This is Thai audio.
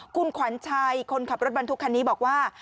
คุณขวัญชัยคนขับรถบรรทุกคันนี้บอกว่า